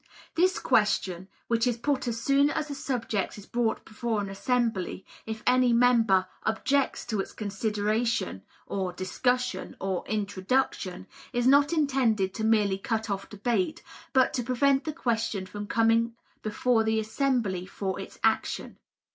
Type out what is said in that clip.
This question, which is put as soon as a subject is brought before an assembly, if any member "objects to its consideration" (or "discussion," or "introduction"), is not intended to merely cut off debate, but to prevent the question from coming before the assembly for its action.